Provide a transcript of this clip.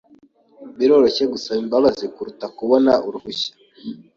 Biroroshye gusaba imbabazi kuruta kubona uruhushya.